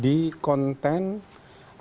dan saya lebih mempersoalkan kepada pemerintah